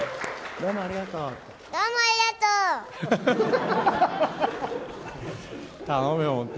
どうもありがとうって。